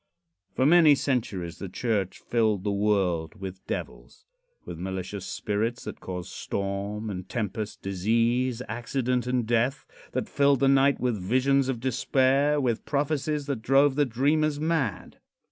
For many centuries the church filled the world with devils with malicious spirits that caused storm and tempest, disease, accident and death that filled the night with visions of despair; with prophecies that drove the dreamers mad.